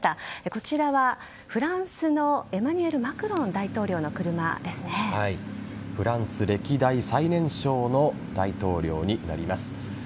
こちらは、フランスのエマニュエル・マクロン大統領のフランス歴代最年少の大統領になります。